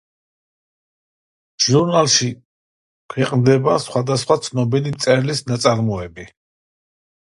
ჟურნალში ქვეყნდებოდა სხვადასხვა ცნობილი მწერლის ნაწარმოები.